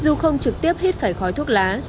dù không trực tiếp hít phải khói thuốc lá